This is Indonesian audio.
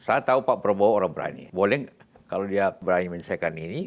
saya tahu pak prabowo orang berani boleh kalau dia berani menyelesaikan ini